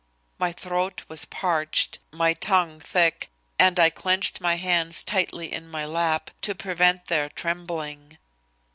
My throat was parched, my tongue thick, and I clenched my hands tightly in my lap to prevent their trembling.